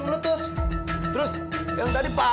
iya satu satunyaietuduh teman